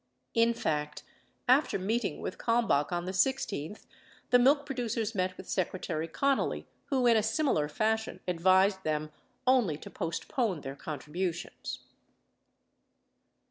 In fact, after meeting with Kalmbach on the 16th, the milk producers met with Secretary Connally who in a similar fashion advised them only to postpone their contributions.